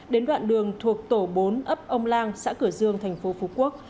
đến đoạn đường thuộc tổ bốn ấp ông lang xã cửa dương thành phố phú quốc